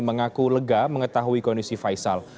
mengaku lega mengetahui kondisi faisal